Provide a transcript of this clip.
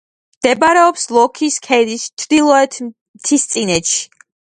მდებარეობს ლოქის ქედის ჩრდილოეთ მთისწინეთში.